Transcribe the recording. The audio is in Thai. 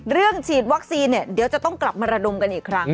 เรื่องฉีดลัทธุ์เนี้ยเดี๋ยวจะต้องกลับมาระดมกันอีกครั้ง